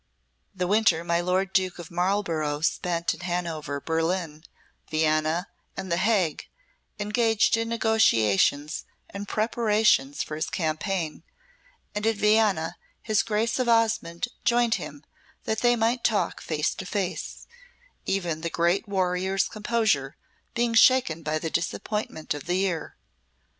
The winter my lord Duke of Marlborough spent at Hanover, Berlin, Vienna, and the Hague, engaged in negotiations and preparations for his campaign, and at Vienna his Grace of Osmonde joined him that they might talk face to face, even the great warrior's composure being shaken by the disappointment of the year.